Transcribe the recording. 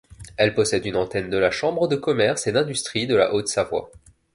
Elle possède une antenne de la chambre de commerce et d'industrie de la Haute-Savoie.